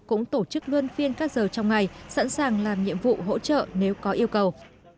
cũng tổ chức luân phiên các giờ trong ngày sẵn sàng làm nhiệm vụ hỗ trợ nếu có yêu cầu